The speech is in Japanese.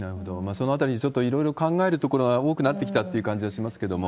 そのあたり、ちょっといろいろ考えるところが多くなってきたって感じはしますけれども。